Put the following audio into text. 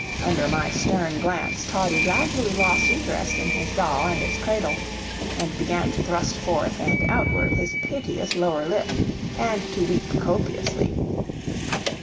Under my stern glance Toddie gradually lost interest in his doll and its cradle, and began to thrust forth and outward his piteous lower lip and to weep copiously.